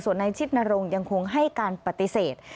ส่วนนายชิดนรงค์ยังคงให้การปฏิเสธ